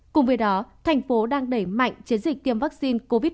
cùng với đó thành phố đang đẩy mạnh chiến dịch tiêm vaccine covid một mươi chín